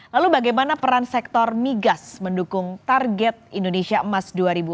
lalu bagaimana peran sektor migas mendukung target indonesia emas dua ribu empat puluh